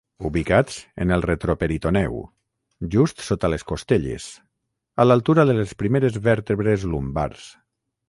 Ubicats en el retroperitoneu, just sota les costelles, a l'altura de les primeres vèrtebres lumbars.